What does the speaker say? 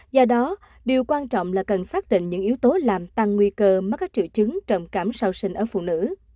do đó điều quan trọng là cần xác định những yếu tố làm tăng nguy cơ mắc các triệu chứng trầm cảm sau sinh ở phụ nữ